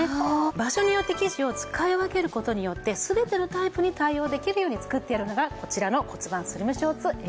場所によって生地を使い分ける事によって全てのタイプに対応できるように作ってあるのがこちらの骨盤スリムショーツエアリーなんです。